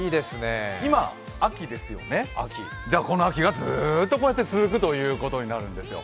今、秋ですよね、じゃあこの秋がずっとこうやって続くということになるんですよ。